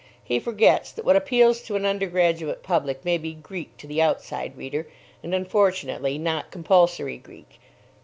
He forgets that what appeals to an undergraduate public may be Greek to the outside reader and, unfortunately, not compulsory Greek.